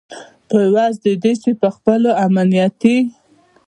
په عوض د دې چې په خپلو امنیتي